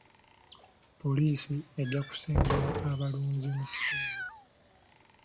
Poliisi ejja kusengula abalunzi mu kitundu.